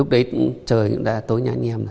lúc đấy trời cũng đã tối nha anh em